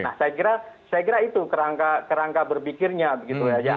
nah saya kira itu kerangka berpikirnya begitu ya